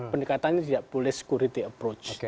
pendekatan ini tidak boleh security approach